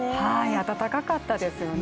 暖かかったですよね。